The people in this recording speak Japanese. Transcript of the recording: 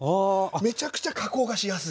めちゃくちゃ加工がしやすい。